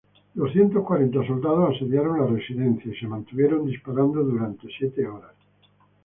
Doscientos cuarenta soldados asediaron la residencia y se mantuvieron disparando durante siete horas.